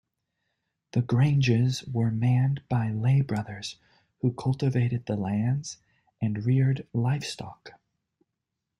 The granges were manned by lay-brothers, who cultivated the lands and reared livestock.